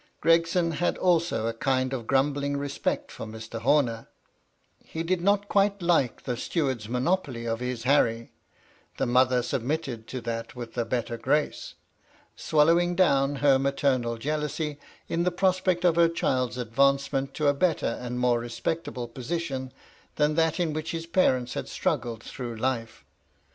Gregson had also a kind of grumbling respect for Mr. Horner : he did not quite like the steward's monopoly of his Harry : the mother submitted to that with a better grace, swallowing down her matemat jealousy in the prospect of her child's advancement to a better and more respectable position than that in which hb parents had struggled through life.